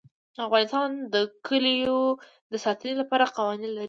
افغانستان د کلیو د ساتنې لپاره قوانین لري.